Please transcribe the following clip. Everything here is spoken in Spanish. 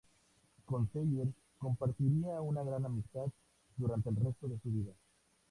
Con Sellers compartiría una gran amistad durante el resto de su vida.